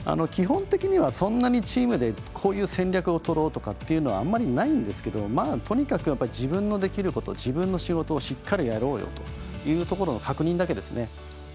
基本的にはそんなにチームでこういう戦略をとろうとかあんまりないんですけどとにかく自分のできること、自分の仕事をしっかりやろうよというところの確認だけですね。